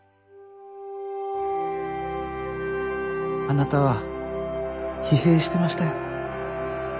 あなたは疲弊してましたよ。